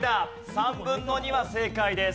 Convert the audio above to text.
３分の２は正解です。